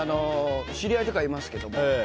知り合いとかはいますけど。